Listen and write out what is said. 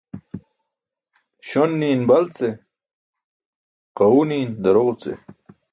Śon ni̇i̇n bal ce, ġaẏu ni̇i̇n daroġo ce.